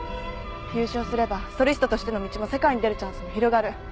優勝すればソリストとしての道も世界に出るチャンスも広がる。